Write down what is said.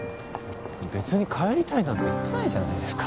べつに帰りたいなんか言ってないじゃないですか。